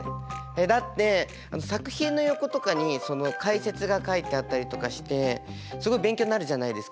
だって作品の横とかに解説が書いてあったりとかしてすごい勉強になるじゃないですか。